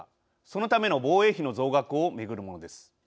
そのための防衛費の増額を巡るものです。